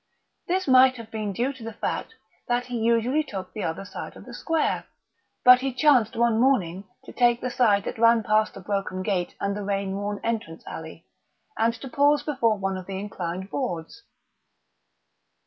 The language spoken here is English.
This might have been due to the fact that he usually took the other side of the square. But he chanced one morning to take the side that ran past the broken gate and the rain worn entrance alley, and to pause before one of the inclined boards.